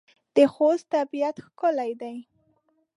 د خوست طبيعت ښکلی دی.